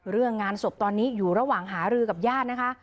เรื่องงานศพตอนนี้อยู่ระหว่างหารือกับญาตินะคะ